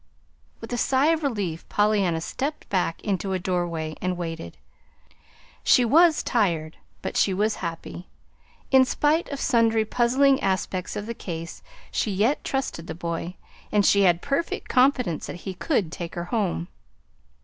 With a sigh of relief Pollyanna stepped back into a doorway and waited. She was tired, but she was happy. In spite of sundry puzzling aspects of the case, she yet trusted the boy, and she had perfect confidence that he could take her home.